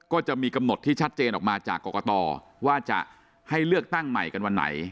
ก็จะมีกำหนดที่ชัดเจนออกมาจากกรกตว่าจะให้เลือกตั้งใหม่กันวันไหน